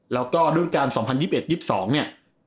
แล้วก็รุ่นการ๒๐๒๑๒๒เนี่ย